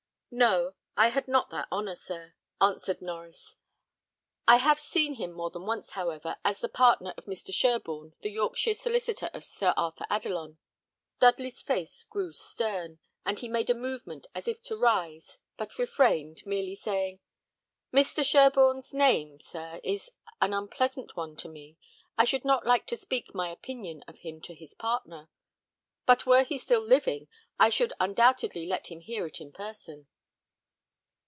"No, I had not that honour, sir," answered Norries. "I have seen him more than once, however, as the partner of Mr. Sherborne, the Yorkshire solicitor of Sir Arthur Adelon." Dudley's face grew stern, and he made a movement as if to rise, but refrained, merely saying, "Mr. Sherborne's name, sir, is an unpleasant one to me. I should not like to speak my opinion of him to his partner; but were he still living, I should undoubtedly let him hear it in person."